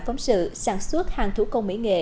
phóng sự sản xuất hàng thủ công mỹ nghệ